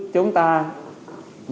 chúng ta nhắn nút